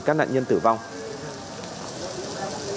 cảm ơn các bạn đã theo dõi và hẹn gặp lại